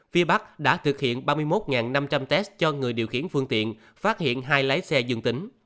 phía bắc đã thực hiện ba mươi một năm trăm linh test cho người điều khiển phương tiện phát hiện hai lái xe dương tính